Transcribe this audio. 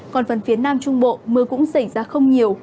còn phần phía nam trung bộ mưa cũng xảy ra không nhiều